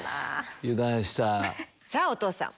さぁお父さん。